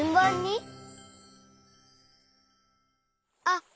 あっ！